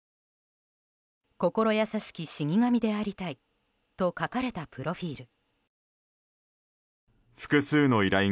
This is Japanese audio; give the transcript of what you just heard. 「心優しき死神でありたい」と書かれたプロフィール。